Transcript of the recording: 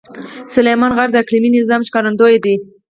سلیمان غر د اقلیمي نظام ښکارندوی دی.